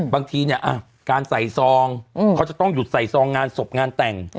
บางทีเนี่ยการใส่ซองเขาจะต้องหยุดใส่ซองงานศพงานแต่ง